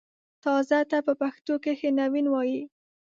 تازه ته په پښتو کښې نوين وايي